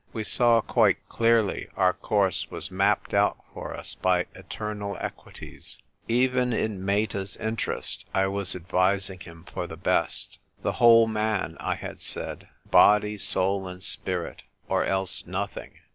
We saw quite clearly our course was mapped out for us by eternal equities. Even in Meta's interest, I was advising him for the best. "The whole man," I had said —" body, soul, and spirit — or else nothing